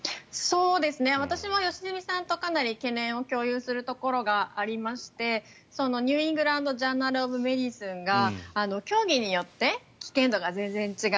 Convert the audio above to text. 私は良純さんとかなり懸念を共有するところがありまして「ニューイングランド・ジャーナル・オブ・メディスン」が競技によって危険度が全然違う。